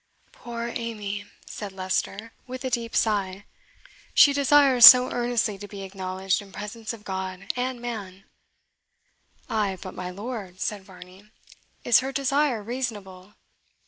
"Poor Amy!" said Leicester, with a deep sigh; "she desires so earnestly to be acknowledged in presence of God and man!" "Ay, but, my lord," said Varney, "is her desire reasonable?